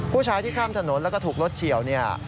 ผู้ชายที่ข้ามถนนแล้วก็ถูกรถเฉียวเนี่ย